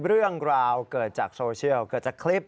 เรื่องราวเกิดจากโซเชียลเกิดจากคลิป